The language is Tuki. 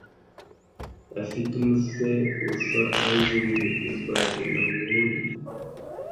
A fitimú fê uffá andingui, wubari nà wuwúrrini.